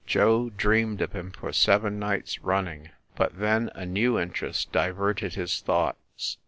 Joe dreamed of him for seven nights run ning, but then a new interest diverted his thoughts.